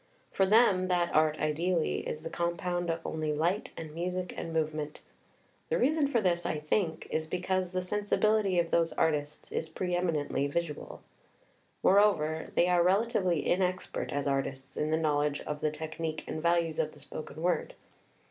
For them that art ideally is the com pound of only light and music and movement. The reason for this, I think, is because the sensibility of those artists is preeminently visual. Moreover, they are rela tively inexpert, as artists, in the knowledge of the technique and values of the spoken word.